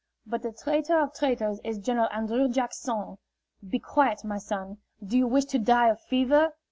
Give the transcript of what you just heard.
But the traitor of traitors is General An drrew Jack son. Be quiet, my son. Do you wish to die of fever?"